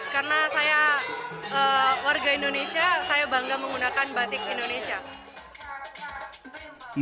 karena saya warga indonesia saya bangga menggunakan batik indonesia